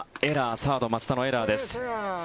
サード、松田のエラーです。